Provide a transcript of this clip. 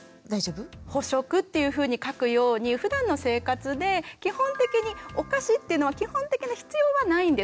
「補食」っていうふうに書くようにふだんの生活で基本的にお菓子っていうのは基本的に必要はないんです。